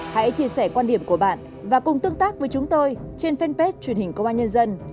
hãy chia sẻ quan điểm của bạn và cùng tương tác với chúng tôi trên fanpage truyền hình công an nhân dân